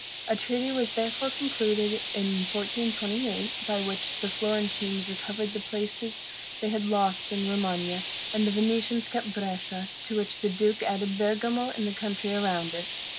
A treaty was therefore concluded in 1428, by which the Florentines recovered the places they had lost in Romagna; and the Venetians kept Brescia, to which the duke added Bergamo and the country around it.